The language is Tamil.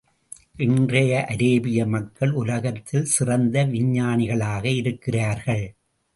இன்றைய அரேபிய மக்கள் உலகத்தில் சிறந்த விஞ்ஞானிகளாக இருக்கிறார்கள்.